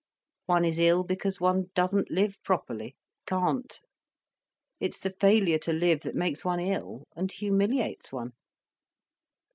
One is ill because one doesn't live properly—can't. It's the failure to live that makes one ill, and humiliates one."